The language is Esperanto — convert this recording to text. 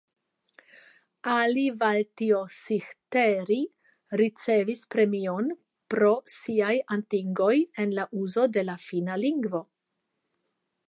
Alivaltiosihteeri ricevis premion pro siaj atingoj en la uzo de la finna lingvo.